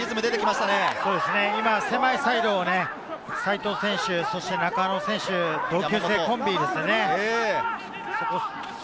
狭いサイドを齋藤選手、中野選手の同級生コンビですよね。